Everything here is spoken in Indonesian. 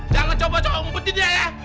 jangan coba coba ngumpetin dia ya